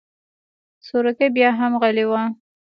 سورکی بياهم غلی و.